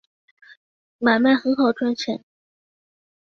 买卖很好赚钱